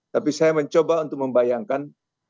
tapi saya mencoba untuk membayangkan